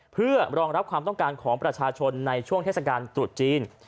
เพื่อรองรับความต้องการของประชาชนในช่วงเทศกาลตรุษจีน